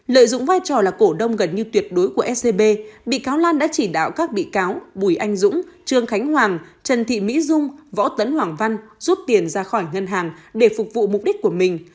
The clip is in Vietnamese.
lợi dụng vai trò là cổ đông gần như tuyệt đối của scb bị cáo lan đã chỉ đạo các bị cáo bùi anh dũng trương khánh hoàng trần thị mỹ dung võ tấn hoàng văn rút tiền ra khỏi ngân hàng để phục vụ mục đích của mình